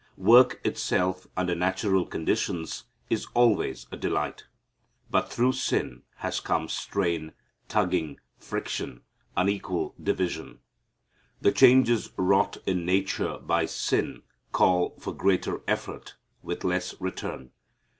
Work itself under natural conditions is always a delight. But through sin has come strain, tugging, friction, unequal division. The changes wrought in nature by sin call for greater effort with less return.